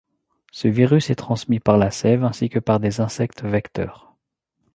Ce virus est transmis par la sève ainsi que par des insectes vecteurs.